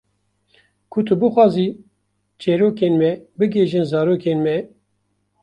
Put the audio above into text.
Ku tu bixwazî çêrokên me bigihîjin zarokên me.